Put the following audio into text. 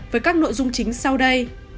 với các nội dung chính sau đây